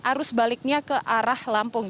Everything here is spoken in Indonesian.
arus baliknya ke arah lampung